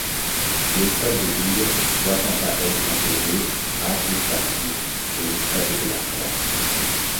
L'épreuve de double voit quant à elle s'imposer Ashleigh Barty et Casey Dellacqua.